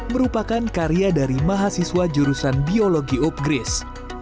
merupakan karya dari mahasiswa jurusan biologi upgris